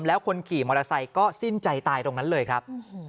แล้วคนขี่มอเตอร์ไซค์ก็สิ้นใจตายตรงนั้นเลยครับ